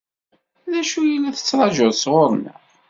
D acu i la tettṛaǧuḍ sɣur-neɣ?